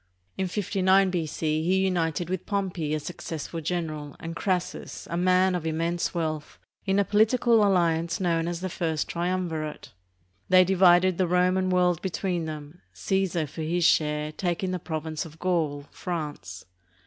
In 59 B.C. he united with Pompey, a successful general, and Crassus, a man of immense wealth, in a political alliance known as the First Triumvirate. They divided the Roman world between them, Caesar, for his share, taking the province of Gaul (France).